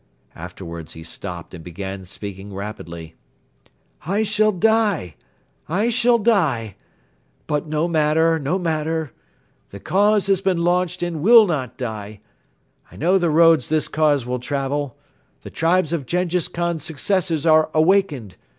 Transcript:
Afterwards he stopped and began speaking rapidly: "I shall die! I shall die! ... but no matter, no matter. ... The cause has been launched and will not die. ... I know the roads this cause will travel. The tribes of Jenghiz Khan's successors are awakened.